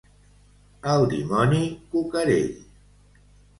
El dimoni cucarell.